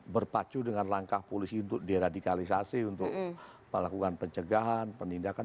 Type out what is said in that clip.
berpacu dengan langkah polisi untuk deradikalisasi untuk melakukan pencegahan penindakan